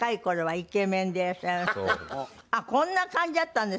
あっこんな感じだったんですかね。